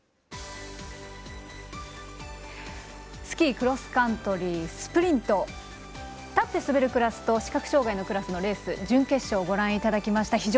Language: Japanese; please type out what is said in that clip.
スキー・クロスカントリースプリント立って滑るクラスと視覚障がいのクラスのレース準決勝をご覧いただきました。